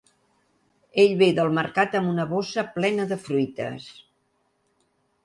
Ell ve del mercat amb una bossa plena de fruites.